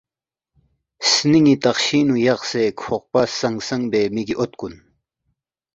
سنینگی تقشینگ نو یقسے کھوقپہ سنگ سنگ بے میگی اوت کن